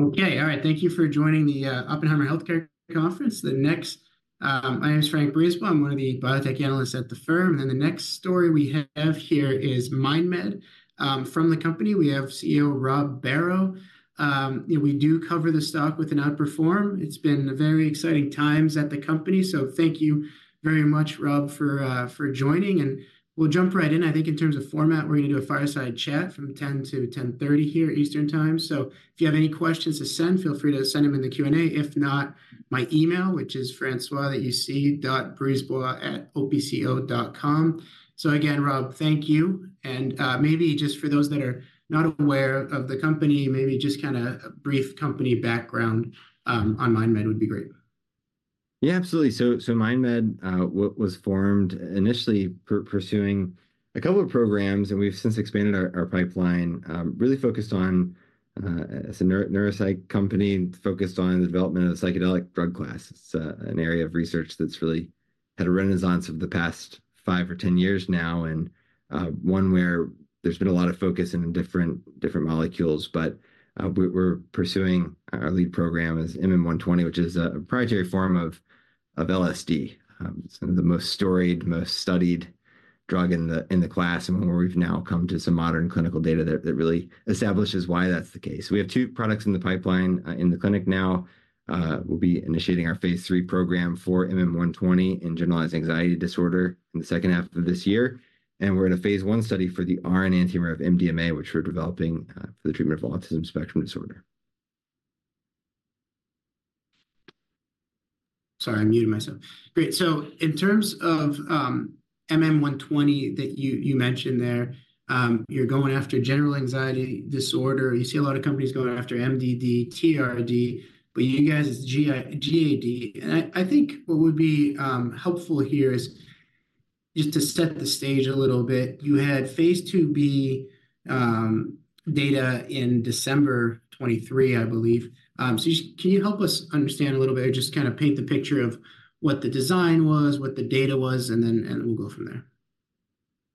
Okay, all right. Thank you for joining the Oppenheimer Healthcare Conference. Next, my name's François Brisebois. I'm one of the biotech analysts at the firm. Then the next story we have here is MindMed from the company. We have CEO Rob Barrow. We do cover the stock with an Outperform. It's been very exciting times at the company, thank you very much, Rob, for joining. We'll jump right in. I think in terms of format, we're gonna do a fireside chat from 10:00 A.M. to 10:30 A.M. here Eastern Time. If you have any questions to send, feel free to send them in the Q&A. If not, my email, which is francois@opco.com. Again, Rob, thank you. And maybe just for those that are not aware of the company, maybe just brief company background on MindMed would be great. Yeah, absolutely. MindMed was formed initially pursuing a couple of programs, and we've since expanded our pipeline, really focused on, as a neuropsych company, focused on the development of the psychedelic drug class. It's an area of research that's really had a renaissance over the past five or ten years now, and one where there's been a lot of focus in different molecules. We're pursuing our lead program as 120, which is a proprietary form of LSD. It's one of the most storied, most studied drugs in the class, and where we've now come to some modern clinical data that really establishes why that's the case. We have two products in the pipeline, in the clinic now. We'll be initiating our Phase III program for 120 in generalized anxiety disorder in the second half of this year. We're in a phase I study for the R-enantiomer of MDMA, which we're developing, for the treatment of autism spectrum disorder. Sorry, I muted myself. Great. So in terms of 120 that you, you mentioned there, you're going after generalized anxiety disorder. You see a lot of companies going after MDD, TRD, but you guys is GAD. I think what would be helpful here is just to set the stage a little bit. You had Phase IIB data in December 2023, I believe. Just can you help us understand a little bit or just kinda paint the picture of what the design was, what the data was, and then, and we'll go from there.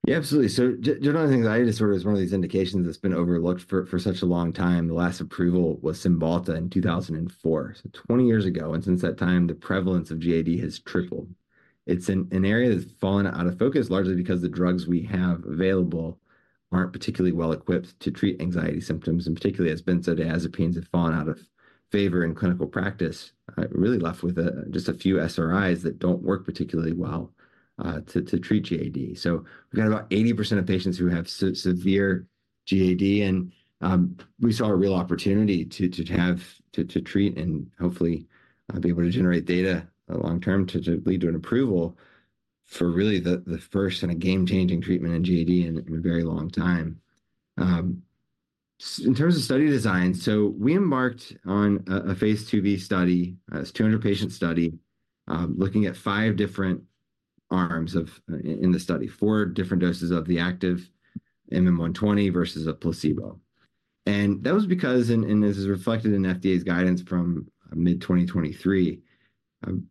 Yeah, absolutely. Generalized anxiety disorder is one of these indications that's been overlooked for such a long time. The last approval was Cymbalta in 2004, so 20 years ago. And since that time, the prevalence of GAD has tripled. It's an area that's fallen out of focus largely because the drugs we have available aren't particularly well-equipped to treat anxiety symptoms, and particularly as it's been so, benzodiazepines have fallen out of favor in clinical practice. Really left with just a few SRIs that don't work particularly well to treat GAD. We've got about 80% of patients who have severe GAD. We saw a real opportunity to have to treat and hopefully be able to generate data long-term to lead to an approval for really the first and a game-changing treatment in GAD in a very long time. In terms of study design, we embarked on a Phase IIb study. It's a 200-patient study, looking at five different arms in the study, four different doses of the active 120 versus a placebo. That was because, as is reflected in FDA's guidance from mid-2023,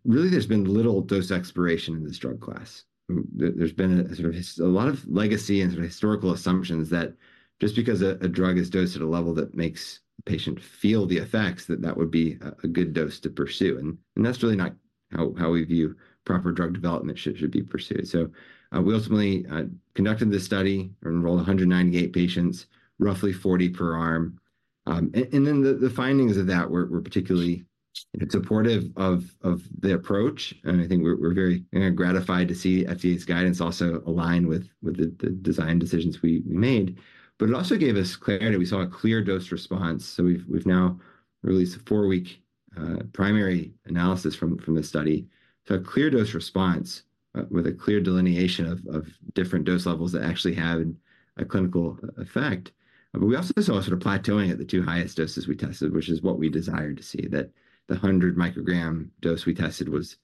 really there's been little dose exploration in this drug class. There's been a sort of a lot of legacy and sort of historical assumptions that just because a drug is dosed at a level that makes the patient feel the effects, that that would be a good dose to pursue. That's really not how we view proper drug development should be pursued. So, we ultimately conducted this study, enrolled 198 patients, roughly 40 per arm. The findings of that were particularly, you know, supportive of the approach. I think we're very, you know, gratified to see FDA's guidance also align with the design decisions we made. But it also gave us clarity. We saw a clear dose response. We've now released a 4-week primary analysis from this study. A clear dose response, with a clear delineation of different dose levels that actually have a clinical effect. We also saw a sort of plateauing at the 2 highest doses we tested, which is what we desired to see, that the 100-microgram dose we tested was,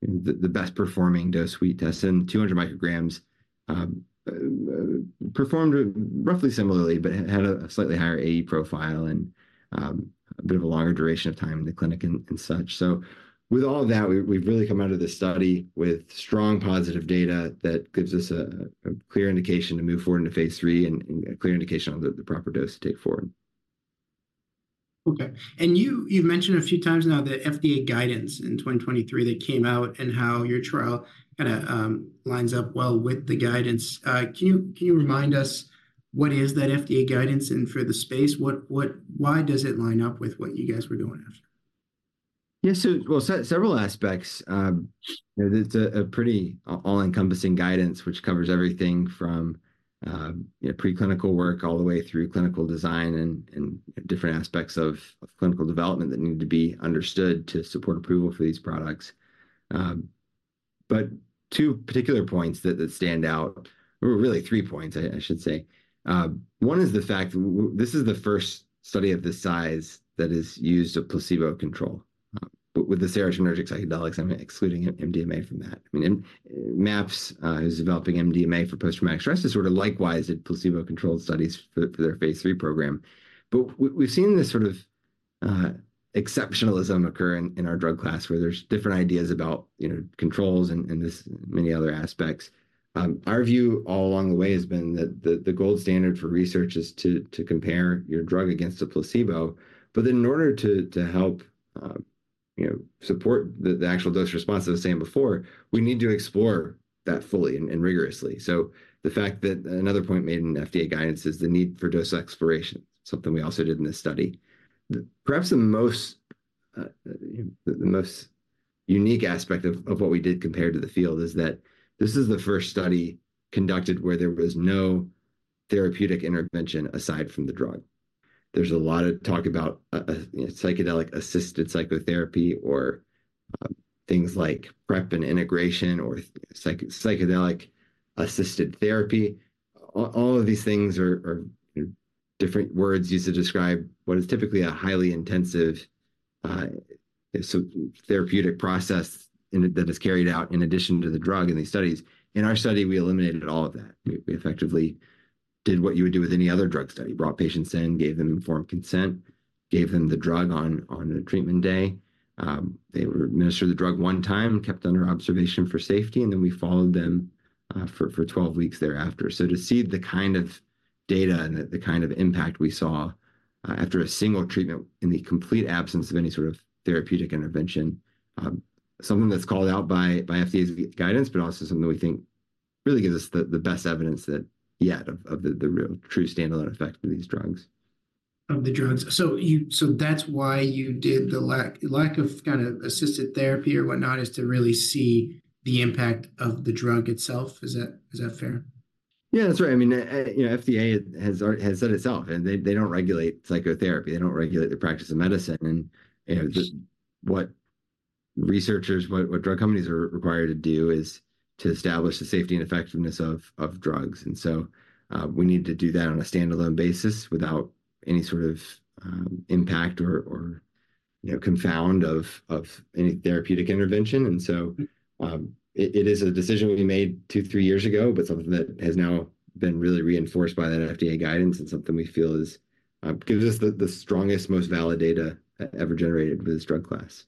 you know, the best-performing dose we tested. The 200 micrograms performed roughly similarly but had a slightly higher AE profile and a bit of a longer duration of time in the clinic and such. With all of that, we've really come out of this study with strong positive data that gives us a clear indication to move forward into phase III and a clear indication on the proper dose to take forward. Okay. You've mentioned a few times now the FDA guidance in 2023 that came out and how your trial kinda lines up well with the guidance. Can you remind us what is that FDA guidance? For the space, what, why does it line up with what you guys were going after? Yeah. Well, several aspects. It's a pretty all-encompassing guidance which covers everything from, you know, preclinical work all the way through clinical design and different aspects of clinical development that need to be understood to support approval for these products. Two particular points that stand out, or really three points, I should say. One is the fact that this is the first study of this size that has used a placebo control. With the serotonergic psychedelics, I'm excluding MDMA from that. I mean, MAPS, who's developing MDMA for post-traumatic stress has sort of likewise did placebo-controlled studies for their Phase III program. We've seen this sort of exceptionalism occur in our drug class where there's different ideas about, you know, controls and this many other aspects. Our view all along the way has been that the gold standard for research is to compare your drug against a placebo. Then in order to help, you know, support the actual dose response, as I was saying before, we need to explore that fully and rigorously. The fact that another point made in FDA guidance is the need for dose exploration, something we also did in this study. Perhaps the most, you know, the most unique aspect of what we did compared to the field is that this is the first study conducted where there was no therapeutic intervention aside from the drug. There's a lot of talk about a, you know, psychedelic-assisted psychotherapy or things like prep and integration or psychedelic-assisted therapy. All of these things are, you know, different words used to describe what is typically a highly intensive, you know, so therapeutic process that is carried out in addition to the drug in these studies. In our study, we eliminated all of that. We effectively did what you would do with any other drug study: brought patients in, gave them informed consent, gave them the drug on a treatment day. They were administered the drug one time, kept under observation for safety, and then we followed them for 12 weeks thereafter. To see the kind of data and the kind of impact we saw, after a single treatment in the complete absence of any sort of therapeutic intervention, something that's called out by FDA's guidance but also something that we think really gives us the best evidence yet of the real true standalone effect of these drugs. Of the drugs. That's why you did the lack of kind of assisted therapy or whatnot is to really see the impact of the drug itself. Is that fair? Yeah, that's right. I mean, you know, FDA has said itself. They don't regulate psychotherapy. They don't regulate the practice of medicine. You know, just what researchers, what drug companies are required to do is to establish the safety and effectiveness of drugs. We need to do that on a standalone basis without any sort of impact or, you know, confound of any therapeutic intervention. It is a decision we made 2, 3 years ago but something that has now been really reinforced by that FDA guidance and something we feel gives us the strongest, most valid data ever generated with this drug class.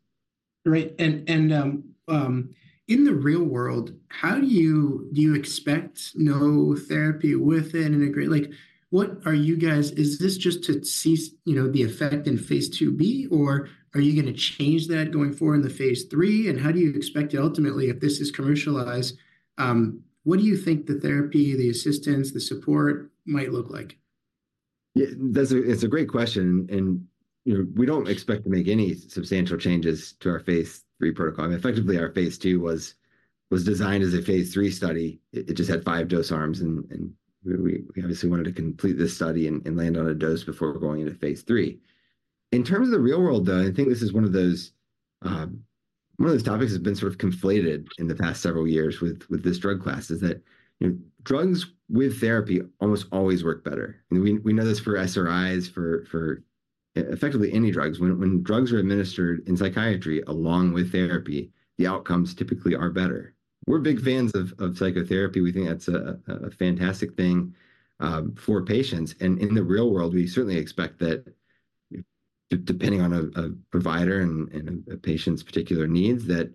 Right. In the real world, how do you expect no therapy with an integration like, what are you guys – is this just to see, you know, the effect in Phase IIb, or are you gonna change that going forward in the Phase III? How do you expect to ultimately, if this is commercialized, what do you think the therapy, the assistance, the support might look like? Yeah, that's, it's a great question. You know, we don't expect to make any substantial changes to our phase III protocol. I mean, effectively, our phase II was designed as a phase III study. It just had five dose arms. We obviously wanted to complete this study and land on a dose before going into phase III. In terms of the real world, though, and I think this is one of those topics that's been sort of conflated in the past several years with this drug class, you know, drugs with therapy almost always work better. I mean, we know this for SRIs, for effectively any drugs. When drugs are administered in psychiatry along with therapy, the outcomes typically are better. We're big fans of psychotherapy. We think that's a fantastic thing for patients. In the real world, we certainly expect that, you know, depending on a provider and a patient's particular needs, that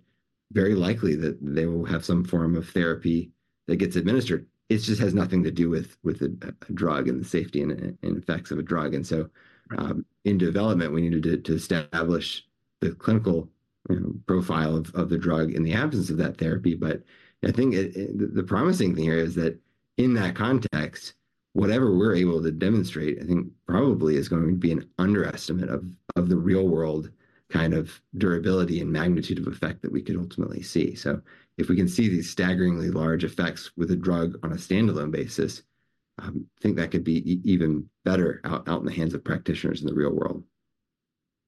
very likely they will have some form of therapy that gets administered. It just has nothing to do with a drug and the safety and effects of a drug. In development, we needed to establish the clinical, you know, profile of the drug in the absence of that therapy. I think the promising thing here is that in that context, whatever we're able to demonstrate, I think, probably is going to be an underestimate of the real world kind of durability and magnitude of effect that we could ultimately see. If we can see these staggeringly large effects with a drug on a standalone basis, I think that could be even better out in the hands of practitioners in the real world.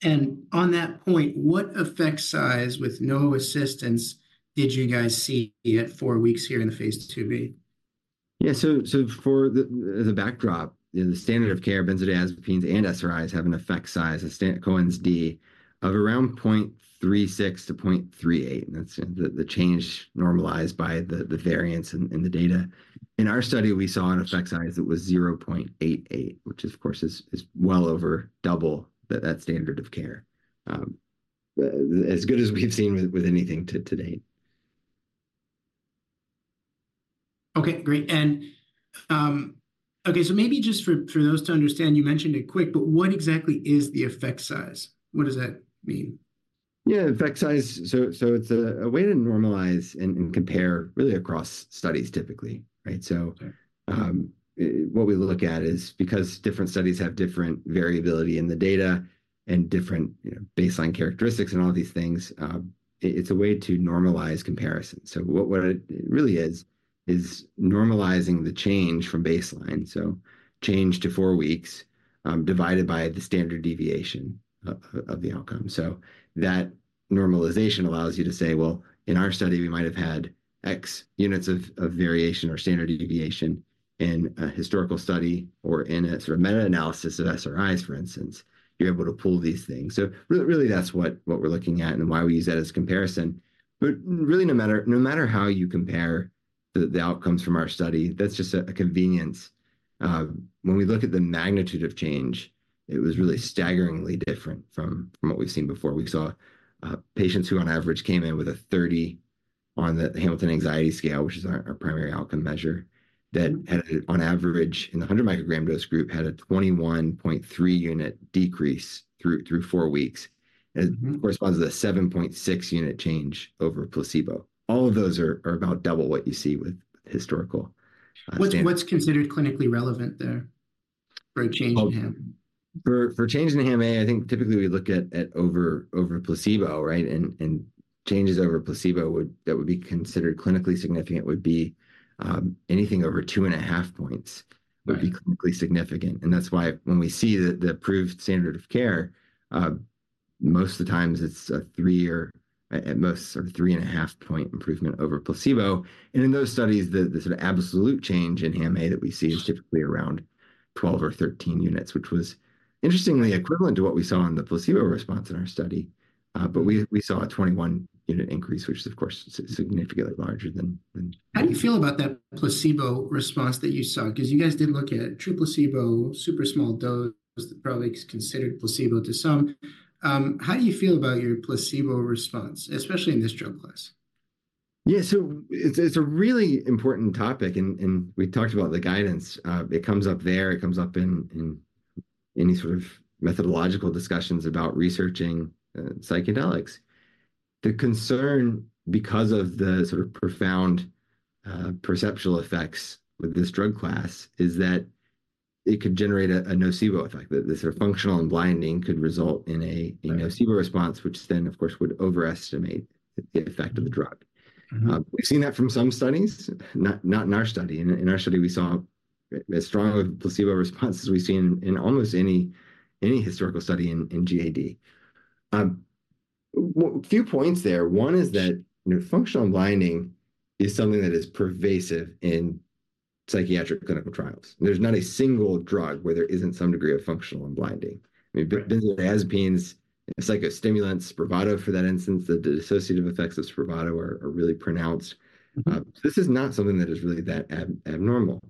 On that point, what effect size with no assistance did you guys see at four weeks here in the Phase IIb? Yeah. For the backdrop, you know, the standard of care, benzodiazepines and SRIs have an effect size, a Cohen's d, of around 0.36-0.38. And that's the change normalized by the variance in the data. In our study, we saw an effect size that was 0.88, which, of course, is well over double that standard of care, as good as we've seen with anything to date. Okay. Great. Okay. Maybe just for those to understand, you mentioned it quick, but what exactly is the effect size? What does that mean? Yeah, effect size. It's a way to normalize and compare really across studies typically, right? What we look at is because different studies have different variability in the data and different, you know, baseline characteristics and all these things, it's a way to normalize comparison. What it really is, is normalizing the change from baseline, so change to four weeks, divided by the standard deviation of the outcome. That normalization allows you to say, "Well, in our study, we might have had X units of variation or standard deviation in a historical study or in a sort of meta-analysis of SRIs, for instance." You're able to pull these things. Really that's what we're looking at and why we use that as comparison. Really, no matter how you compare the outcomes from our study, that's just a convenience. When we look at the magnitude of change, it was really staggeringly different from what we've seen before. We saw patients who, on average, came in with a 30 on the Hamilton Anxiety Scale, which is our primary outcome measure, that had, on average, in the 100-microgram dose group, a 21.3-unit decrease through four weeks. It corresponds to the 7.6-unit change over placebo. All of those are about double what you see with historical standard. What's considered clinically relevant there for a change in HAM-A? Well, for change in HAM-A, I think typically we look at over placebo, right? Changes over placebo that would be considered clinically significant would be anything over 2.5 points would be clinically significant. That's why when we see the approved standard of care, most of the times it's a 3 or at most sort of 3.5-point improvement over placebo. In those studies, the sort of absolute change in HAM-A that we see is typically around 12 or 13 units, which was interestingly equivalent to what we saw in the placebo response in our study. We saw a 21-unit increase, which is, of course, significantly larger than. How do you feel about that placebo response that you saw? 'Cause you guys did look at true placebo, super small dose, probably considered placebo to some. How do you feel about your placebo response, especially in this drug class? Yeah. It's a really important topic. We talked about the guidance. It comes up there. It comes up in any sort of methodological discussions about researching psychedelics. The concern because of the sort of profound perceptual effects with this drug class is that it could generate a nocebo effect, that the sort of functional unblinding could result in a nocebo response, which then, of course, would overestimate the effect of the drug. We've seen that from some studies, not in our study. In our study, we saw as strong a placebo response as we've seen in almost any historical study in GAD. Well, a few points there. One is that, you know, functional unblinding is something that is pervasive in psychiatric clinical trials. There's not a single drug where there isn't some degree of functional and blinding. I mean, benzodiazepines, psychostimulants, Spravato for that instance, the associative effects of Spravato are really pronounced. This is not something that is really that abnormal.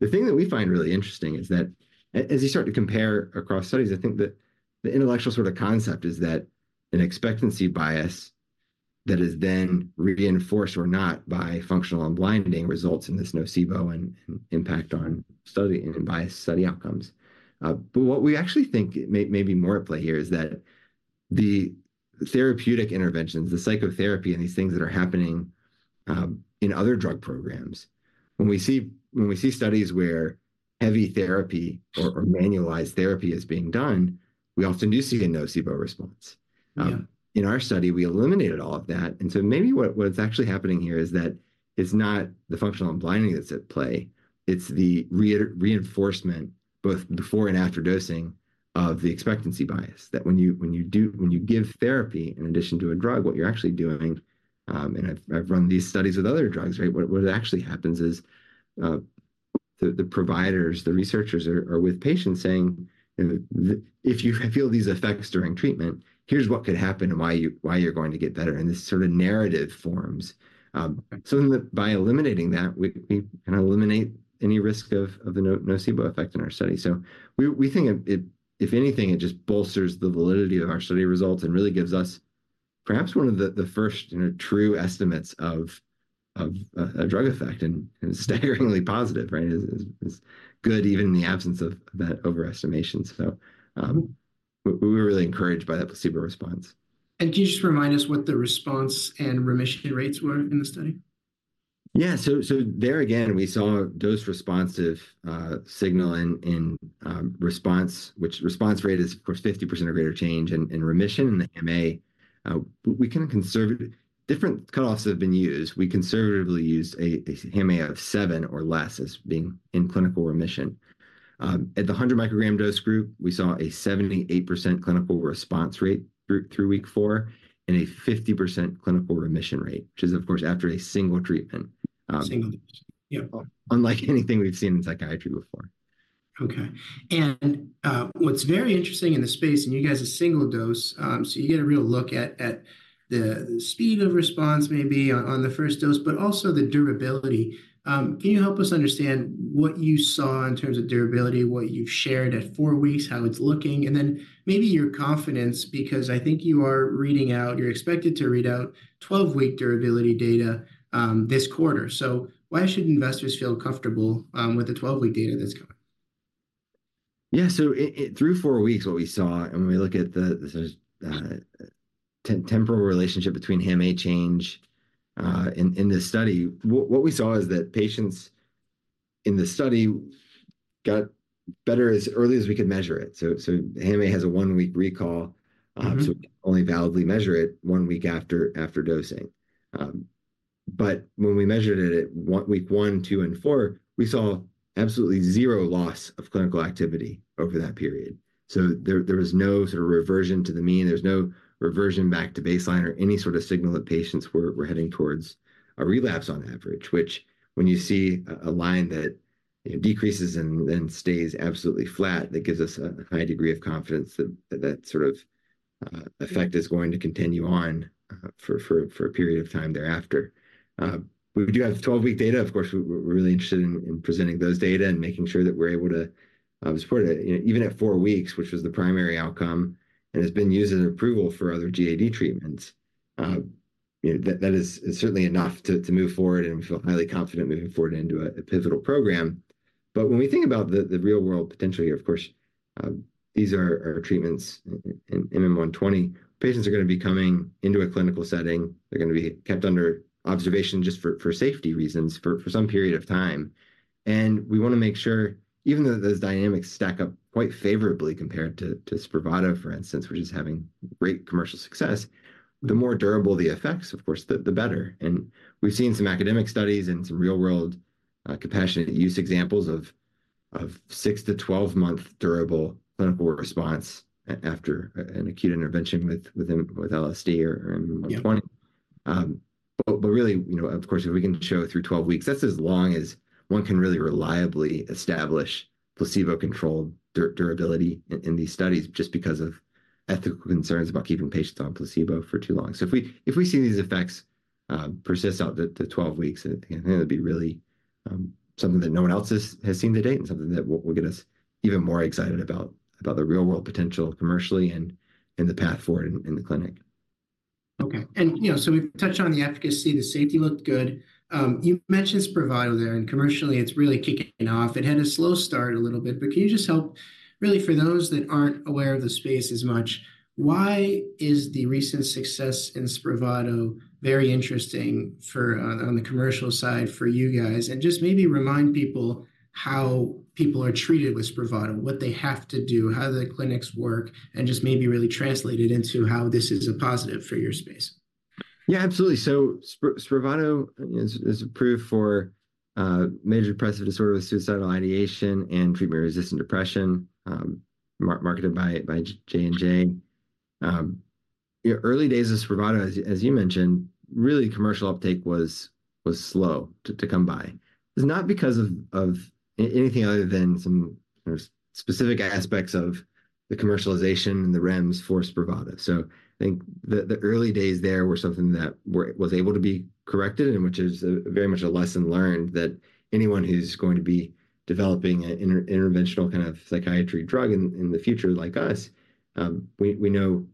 The thing that we find really interesting is that as you start to compare across studies, I think that the intellectual sort of concept is that an expectancy bias that is then reinforced or not by functional unblinding results in this nocebo and impact on study and biased study outcomes. What we actually think may be more at play here is that the therapeutic interventions, the psychotherapy, and these things that are happening, in other drug programs, when we see studies where heavy therapy or manualized therapy is being done, we often do see a nocebo response. In our study, we eliminated all of that. Maybe what's actually happening here is that it's not the functional and blinding that's at play. It's the reinforcement, both before and after dosing, of the expectancy bias, that when you give therapy in addition to a drug, what you're actually doing and I've run these studies with other drugs, right, what actually happens is, the providers, the researchers are with patients saying, you know, "If you feel these effects during treatment, here's what could happen and why you're going to get better." This sort of narrative forms. By eliminating that, we kinda eliminate any risk of the nocebo effect in our study. We think it if anything just bolsters the validity of our study results and really gives us perhaps one of the first, you know, true estimates of a drug effect and it's staggeringly positive, right, is good even in the absence of that overestimation. We were really encouraged by that placebo response. Can you just remind us what the response and remission rates were in the study? Yeah. There again, we saw dose-responsive signal in response, which response rate is, of course, 50% or greater change in remission in the HAM-A. We kind of conservative different cutoffs have been used. We conservatively used a HAM-A of 7 or less as being in clinical remission. At the 100-microgram dose group, we saw a 78% clinical response rate through week 4 and a 50% clinical remission rate, which is, of course, after a single treatment. Single treatment. Yeah. Unlike anything we've seen in psychiatry before. Okay. What's very interesting in this space, and you guys a single dose, so you get a real look at the speed of response maybe on the first dose but also the durability. Can you help us understand what you saw in terms of durability, what you've shared at 4 weeks, how it's looking, and then maybe your confidence because I think you are expected to read out 12-week durability data this quarter. Why should investors feel comfortable with the 12-week data that's coming? Yeah. It through four weeks, what we saw, and when we look at the sort of temporal relationship between HAM-A change, in this study, what we saw is that patients in the study got better as early as we could measure it. HAM-A has a one-week recall, so we can only validly measure it one week after dosing. When we measured it at week one, two, and four, we saw absolutely zero loss of clinical activity over that period. There was no sort of reversion to the mean. There's no reversion back to baseline or any sort of signal that patients were heading towards a relapse on average, which when you see a line that, you know, decreases and stays absolutely flat, that gives us a high degree of confidence that that sort of effect is going to continue on for a period of time thereafter. We do have 12-week data. Of course, we're really interested in presenting those data and making sure that we're able to support it, you know, even at four weeks, which was the primary outcome and has been used as approval for other GAD treatments. You know, that is certainly enough to move forward, and we feel highly confident moving forward into a pivotal program. When we think about the real world potential here, of course, these are treatments in MM120. Patients are gonna be coming into a clinical setting. They're gonna be kept under observation just for safety reasons for some period of time. We wanna make sure even though those dynamics stack up quite favorably compared to Spravato, for instance, which is having great commercial success, the more durable the effects, of course, the better. We've seen some academic studies and some real-world, compassionate use examples of 6-12-month durable clinical response after an acute intervention with LSD or MM120. Yeah. Really, you know, of course, if we can show through 12 weeks, that's as long as one can really reliably establish placebo-controlled durability in these studies just because of ethical concerns about keeping patients on placebo for too long. If we see these effects persist out the 12 weeks, again, I think it'll be really something that no one else has seen to date and something that we'll get us even more excited about the real-world potential commercially and the path forward in the clinic. Okay. You know, so we've touched on the efficacy. The safety looked good. You mentioned Spravato there, and commercially, it's really kicking off. It had a slow start a little bit. Can you just help really, for those that aren't aware of the space as much, why is the recent success in Spravato very interesting for, on the commercial side for you guys and just maybe remind people how people are treated with Spravato, what they have to do, how the clinics work, and just maybe really translate it into how this is a positive for your space? Yeah, absolutely. Spravato, you know, is approved for major depressive disorder with suicidal ideation and treatment-resistant depression, marketed by J&J. You know, early days of Spravato, as you mentioned, really commercial uptake was slow to come by. It's not because of anything other than some sort of specific aspects of the commercialization and the REMS for Spravato. I think the early days there were something that was able to be corrected and which is a very much a lesson learned that anyone who's going to be developing an interventional kind of psychiatry drug in the future like us, we know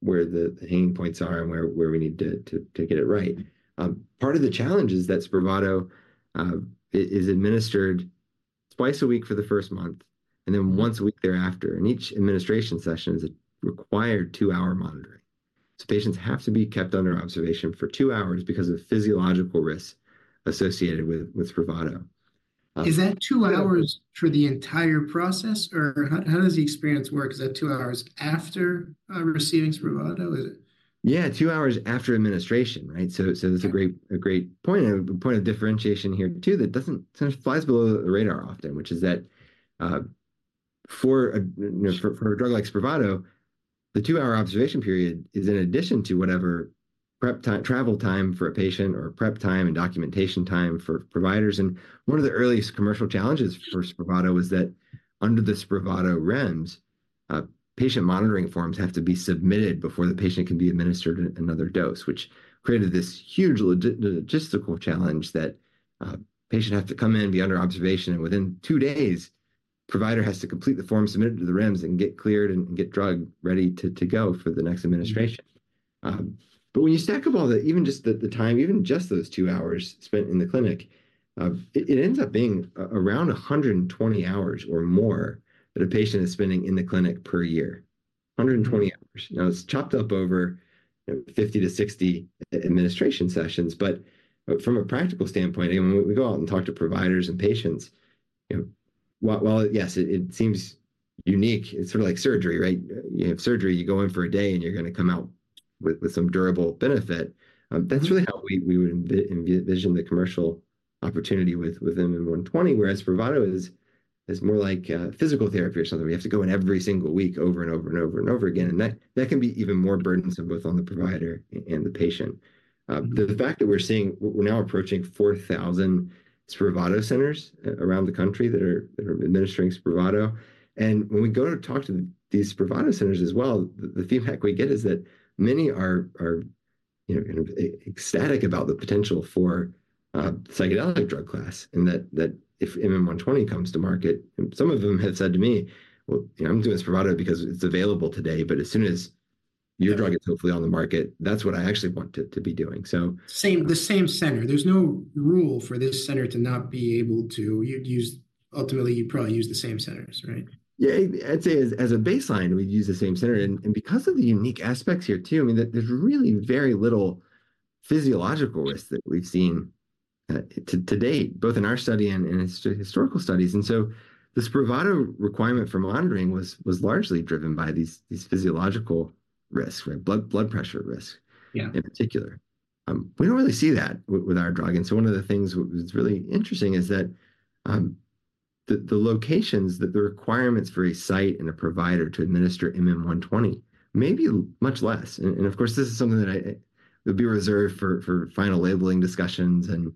where the hanging points are and where we need to get it right. Part of the challenge is that Spravato is administered twice a week for the first month and then once a week thereafter. Each administration session is a required two-hour monitoring. Patients have to be kept under observation for two hours because of physiological risks associated with Spravato. Is that two hours for the entire process, or how, how does the experience work? Is that two hours after receiving Spravato? Is it? Yeah, 2 hours after administration, right? That's a great point and a point of differentiation here too that doesn't kinda fly below the radar often, which is that, for a you know, for a drug like Spravato, the 2-hour observation period is in addition to whatever prep time travel time for a patient or prep time and documentation time for providers. One of the earliest commercial challenges for Spravato was that under the Spravato REMS, patient monitoring forms have to be submitted before the patient can be administered another dose, which created this huge logistical challenge that patients have to come in, be under observation, and within 2 days, providers have to complete the form submitted to the REMS and get cleared and get drug ready to go for the next administration. When you stack up all the even just the time, even just those 2 hours spent in the clinic, it ends up being around 120 hours or more that a patient is spending in the clinic per year, 120 hours. Now, it's chopped up over, you know, 50-60 administration sessions. From a practical standpoint, again, when we go out and talk to providers and patients, you know, while it yes, it seems unique. It's sort of like surgery, right? You have surgery. You go in for a day, and you're gonna come out with some durable benefit. That's really how we would envision the commercial opportunity with MM120, whereas Spravato is more like physical therapy or something. We have to go in every single week over and over and over and over again. That can be even more burdensome both on the provider and the patient. The fact that we're seeing we're now approaching 4,000 Spravato centers around the country that are administering Spravato. When we go to talk to these Spravato centers as well, the feedback we get is that many are, you know, kind of ecstatic about the potential for psychedelic drug class and that if MM120 comes to market and some of them have said to me, "Well, you know, I'm doing Spravato because it's available today. As soon as your drug is hopefully on the market, that's what I actually want to be doing." Same, the same center. There's no rule for this center to not be able to. You'd use, ultimately, you'd probably use the same centers, right? Yeah. I'd say as a baseline, we'd use the same center. Because of the unique aspects here too, I mean, there's really very little physiological risk that we've seen to date, both in our study and historical studies. The Spravato requirement for monitoring was largely driven by these physiological risks, right, blood pressure risks. Yeah. In particular, we don't really see that with our drug. One of the things what's really interesting is that the locations that the requirements for a site and a provider to administer MM120 may be much less. Of course, this is something that it would be reserved for final labeling discussions and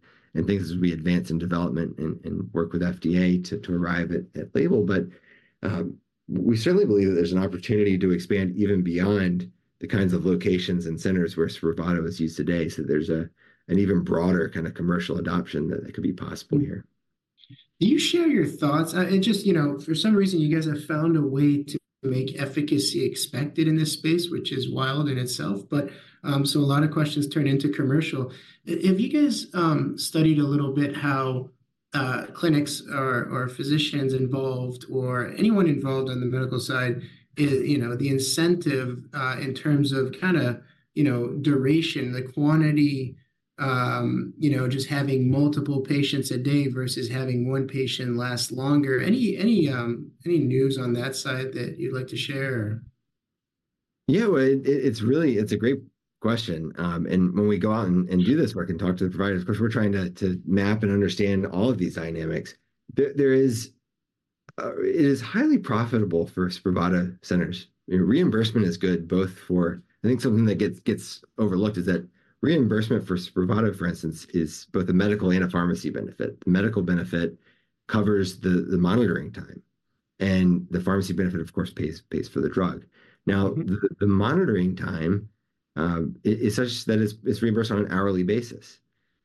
things as we advance in development and work with FDA to arrive at label. We certainly believe that there's an opportunity to expand even beyond the kinds of locations and centers where Spravato is used today. There's an even broader kind of commercial adoption that could be possible here. Do you share your thoughts? It just, you know, for some reason, you guys have found a way to make efficacy expected in this space, which is wild in itself. A lot of questions turn into commercial. If you guys studied a little bit how clinics are, are physicians involved or anyone involved on the medical side, you know, the incentive in terms of kinda, you know, duration, the quantity, you know, just having multiple patients a day versus having one patient last longer, any news on that side that you'd like to share or? Yeah. Well, it's really a great question. When we go out and do this work and talk to the providers, of course, we're trying to map and understand all of these dynamics. It is highly profitable for Spravato centers. I mean, reimbursement is good. Both, I think, something that gets overlooked is that reimbursement for Spravato, for instance, is both a medical and a pharmacy benefit. The medical benefit covers the monitoring time. The pharmacy benefit, of course, pays for the drug. Now, the monitoring time is such that it's reimbursed on an hourly basis.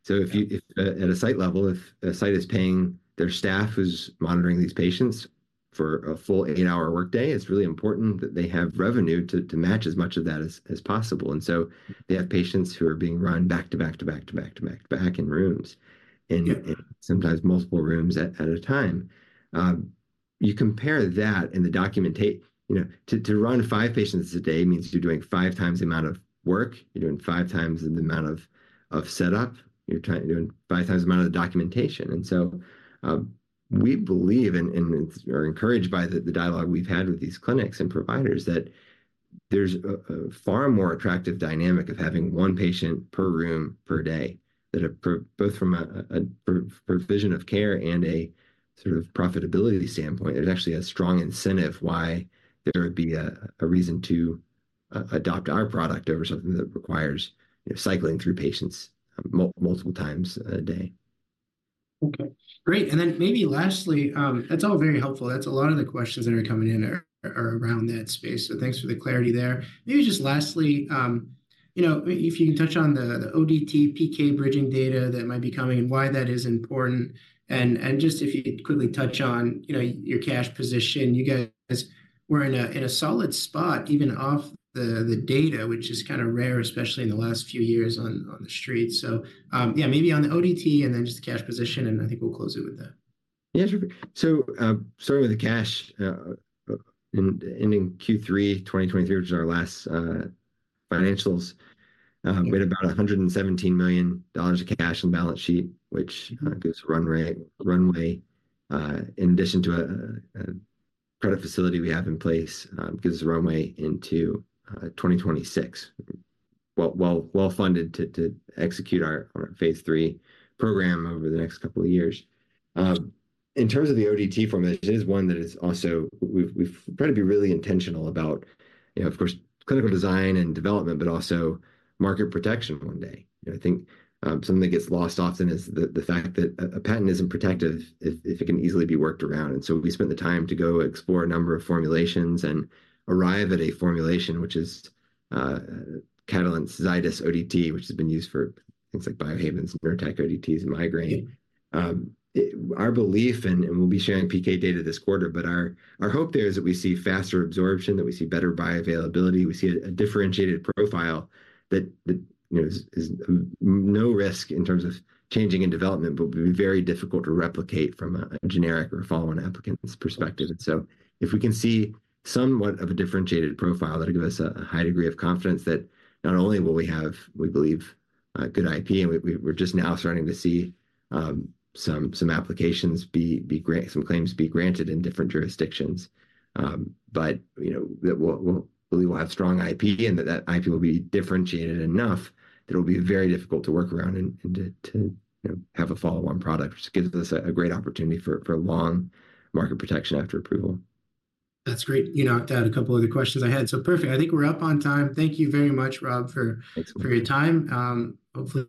If, at a site level, if a site is paying their staff who's monitoring these patients for a full eight-hour workday, it's really important that they have revenue to match as much of that as possible. They have patients who are being run back to back to back to back to back to back in rooms and sometimes multiple rooms at a time. You compare that and the documentation, you know, to run five patients a day means you're doing five times the amount of work. You're doing five times the amount of setup. You're doing five times the amount of the documentation. We believe, and we're encouraged by the dialogue we've had with these clinics and providers that there's a far more attractive dynamic of having one patient per room per day that's a pro, both from a provision of care and a sort of profitability standpoint. There's actually a strong incentive why there would be a reason to adopt our product over something that requires, you know, cycling through patients, multiple times a day. Okay. Great. Then maybe lastly, that's all very helpful. That's a lot of the questions that are coming in are around that space. Thanks for the clarity there. Maybe just lastly, you know, if you can touch on the ODT PK bridging data that might be coming and why that is important and just if you could quickly touch on, you know, your cash position. You guys were in a solid spot even off the data, which is kinda rare, especially in the last few years on the street. Yeah, maybe on the ODT and then just the cash position. I think we'll close it with that. Yeah, sure. Starting with the cash, ending Q3 2023, which is our last financials, we had about $117 million of cash on the balance sheet, which gives a runway. In addition to a credit facility we have in place, gives us a runway into 2026, well-funded to execute our phase three program over the next couple of years. In terms of the ODT formulation, it is one that is also we've tried to be really intentional about, you know, of course, clinical design and development, but also market protection one day. You know, I think something that gets lost often is the fact that a patent isn't protective if it can easily be worked around. We spent the time to go explore a number of formulations and arrive at a formulation, which is Catalent Zydis ODT, which has been used for things like Biohaven's Nurtec ODTs and migraine. In our belief and we'll be sharing PK data this quarter, but our hope there is that we see faster absorption, that we see better bioavailability, we see a differentiated profile that you know is minimal risk in terms of changing in development, but would be very difficult to replicate from a generic or a follow-on applicant's perspective. If we can see somewhat of a differentiated profile that'll give us a high degree of confidence that not only will we have, we believe, good IP, and we're just now starting to see some applications be granted, some claims be granted in different jurisdictions, but you know that we'll believe we'll have strong IP and that that IP will be differentiated enough that it'll be very difficult to work around and to you know have a follow-on product, which gives us a great opportunity for long market protection after approval. That's great. You knocked out a couple other questions I had. Perfect. I think we're up on time. Thank you very much, Rob, for. Thanks a lot. For your time. Hopefully.